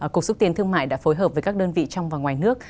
cục xúc tiến thương mại đã phối hợp với các đơn vị trong và ngoài nước